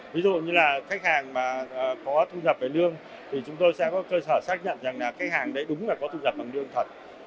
ví dụ như là khách hàng mà có thu nhập về lương thì chúng tôi sẽ có cơ sở xác nhận rằng là khách hàng đấy đúng là có thu nhập bằng lương thật